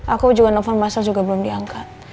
aku juga nelfon mas sal juga belum diangkat